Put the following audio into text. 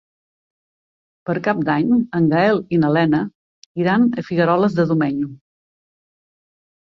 Per Cap d'Any en Gaël i na Lena iran a Figueroles de Domenyo.